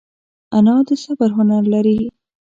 انا د صبر هنر لري